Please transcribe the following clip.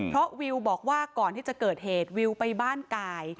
เพราะวิวบอกว่าก่อนที่จะเกิดเหตุวิวไปบ้านกาย